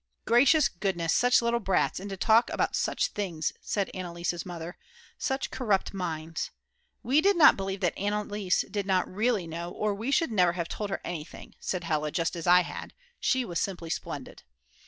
"Gracious goodness, such little brats, and to talk about such things," said Anneliese's mother. "Such corrupt minds." "We did not believe that Anneliese did not really know, or we should never have told her anything," said Hella just as I had; she was simply splendid.